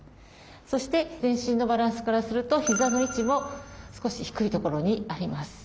そして全身のバランスからすると膝の位置も少し低いところにあります。